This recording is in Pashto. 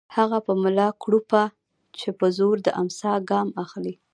هغه په ملا کړوپه چې په زور د امساء ګام اخلي